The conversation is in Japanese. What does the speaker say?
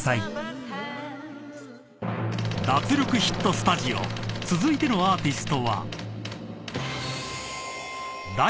［脱力ヒットスタジオ続いてのアーティストは］